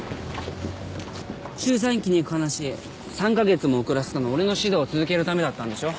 周産期に行く話３カ月も遅らせたの俺の指導を続けるためだったんでしょ？